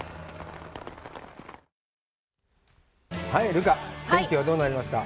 留伽、天気はどうなりますか。